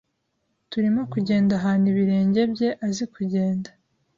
Turimo kugenda ahantu ibirenge bye azi kugenda,